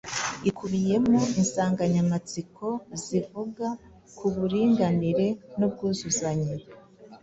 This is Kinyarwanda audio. ikubiyemo insanganyamatsiko zivuga ku buringanire n’ubwuzuzanye,